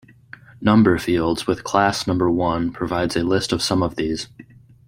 Number Fields with class number one provides a list of some of these.